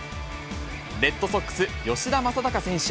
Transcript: レッドソックス、吉田正尚選手。